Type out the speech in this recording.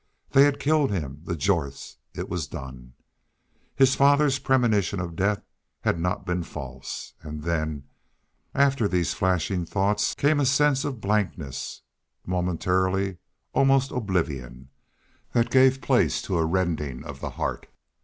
They had killed him! The Jorths! It was done. His father's premonition of death had not been false. And then, after these flashing thoughts, came a sense of blankness, momentarily almost oblivion, that gave place to a rending of the heart.